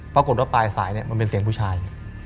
ปรากฏว่าปลายสายเนี่ยมันเป็นเสียงผู้ชาย